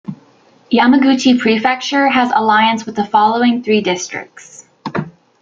Yamaguchi Prefecture has alliance with the following three districts.